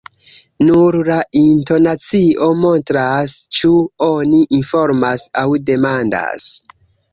Nur la intonacio montras, ĉu oni informas aŭ demandas.